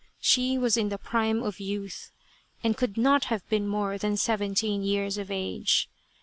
She was in the prime of youth, and could not have been more than seventeen years of age.